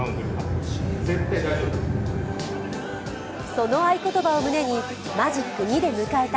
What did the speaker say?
その合言葉を胸にマジック２で迎えた